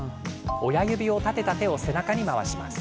親指を立てた手を背中に回します。